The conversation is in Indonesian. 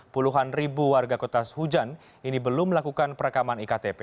puluhan ribu warga kota suhujan ini belum melakukan perekaman iktp